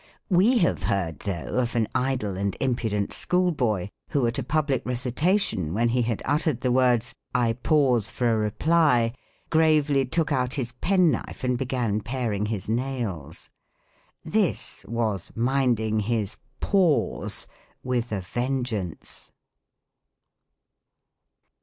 We have heard, though, of an idle and impudent schoolboy, who, at a public recita tion, when he had uttered the words "I pause for a PROSODY. 119 reply," gravely took out his penknife and began paring his nails. This wa? minding his faics with a vengeance.